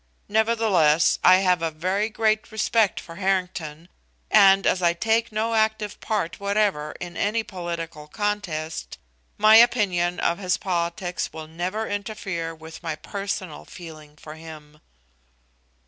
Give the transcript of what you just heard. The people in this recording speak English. Nevertheless, I have a very great respect for Harrington, and as I take no active part whatever in any political contest, my opinion of his politics will never interfere with my personal feeling for him."